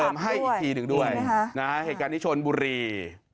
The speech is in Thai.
ให้อีกทีหนึ่งด้วยนะฮะเหตุการณ์ที่ชนบุรี